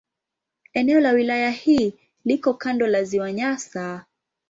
Eneo la wilaya hii liko kando la Ziwa Nyasa.